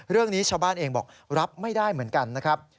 เรื่องนี้ชาวบ้านเองบอกรับไม่ได้เหมือนกันนะครับ